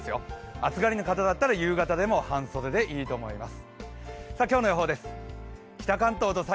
暑がりの方だったら、夕方でも半袖でいいと思います。